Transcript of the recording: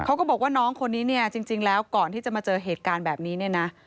เขาก็บอกว่าน้องคนนี้เนี่ยจริงแล้วก่อนที่จะมาเจอเหตุการณ์แบบนี้เนี่ยนะ